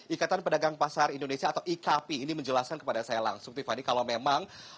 ikatan pedagang pasar indonesia atau ikp ini menjelaskan kepada saya langsung tiffany kalau memang